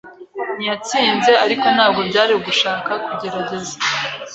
ntiyatsinze, ariko ntabwo byari ugushaka kugerageza.